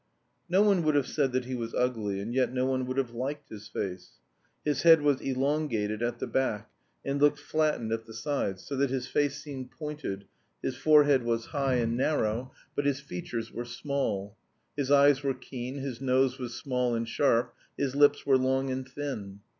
No one would have said that he was ugly, and yet no one would have liked his face. His head was elongated at the back, and looked flattened at the sides, so that his face seemed pointed, his forehead was high and narrow, but his features were small; his eyes were keen, his nose was small and sharp, his lips were long and thin.